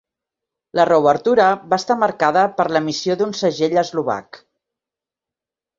La reobertura va estar marcada per l'emissió d'un segell eslovac.